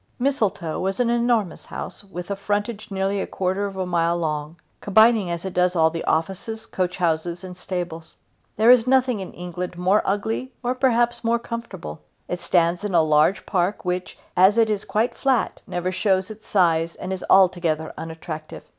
Mistletoe is an enormous house with a frontage nearly a quarter of a mile long, combining as it does all the offices, coach houses, and stables. There is nothing in England more ugly or perhaps more comfortable. It stands in a huge park which, as it is quite flat, never shows its size and is altogether unattractive.